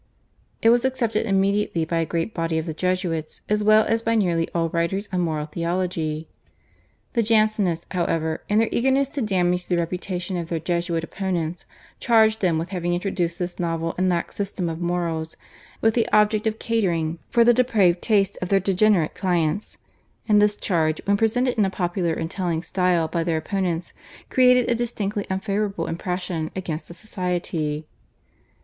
It was accepted immediately by a great body of the Jesuits, as well as by nearly all writers on moral theology. The Jansenists, however, in their eagerness to damage the reputation of their Jesuit opponents charged them with having introduced this novel and lax system of morals with the object of catering for the depraved tastes of their degenerate clients, and this charge when presented in a popular and telling style by their opponents created a distinctly unfavourable impression against the Society.